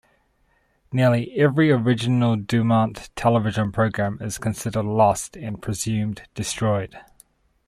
Nearly every original DuMont Television program is considered lost, and presumed destroyed.